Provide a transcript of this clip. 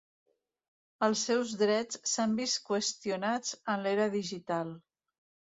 Els seus drets s'han vist qüestionats en l'era digital.